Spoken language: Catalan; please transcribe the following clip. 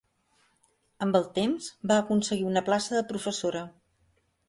Amb el temps, va aconseguir una plaça de professora.